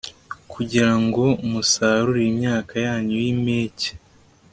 kugira ngo musarure imyaka yanyu yimpeke